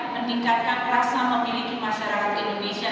meningkatkan rasa memiliki masyarakat indonesia